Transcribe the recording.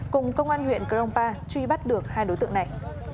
cùng công an huyện grongpa tp đắk lắc truy bắt được hai đối tượng này